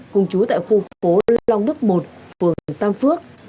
cùng chú tại khu phố long đức một phường tam phước